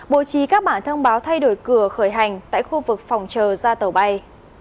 bộ trí các bản thông báo thay đổi cửa khởi hành tại khu vực phòng chờ ra tàu bay